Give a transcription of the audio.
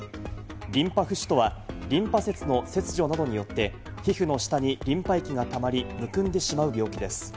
リンパ浮腫とは、リンパ節の切除などによって、皮膚の下にリンパ液がたまり、むくんでしまう病気です。